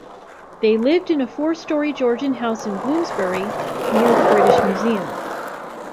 They lived in a four-storey Georgian house in Bloomsbury, near the British Museum.